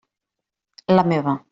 La meva.